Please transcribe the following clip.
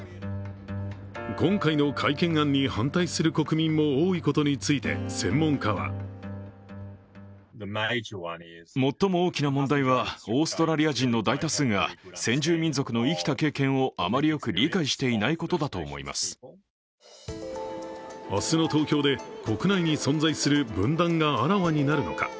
今回の改憲案に反対する国民も多いことについて専門家は明日の投票で、国内に存在する分断があらわになるのか。